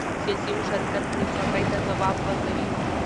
سیاسي مشارکت ولسواکۍ ته ځواک ورکوي